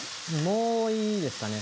もういいですかね。